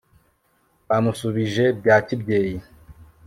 bamushubije bya kibyeyi